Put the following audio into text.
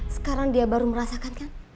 sekarang dia baru merasakan kan